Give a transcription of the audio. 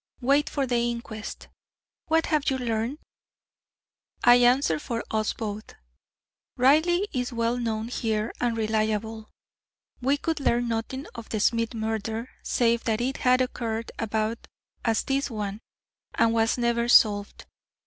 "Wait for the inquest. What have you learned?" I answered for us both: "Reilly is well known here and reliable. We could learn nothing of the Smith murder save that it had occurred about as this one, and was never solved.